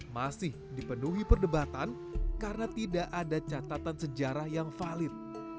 masih dipenuhi perdebatan karena tidak ada catatan sejarah yang valid